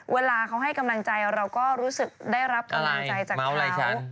เวลาเขาให้กำลังใจเราก็รู้สึกได้รับกำลังใจจากเขา